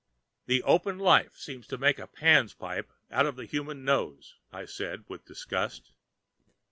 "The open life seems to make a Pan's pipe out of the human nose," said I, with disgust.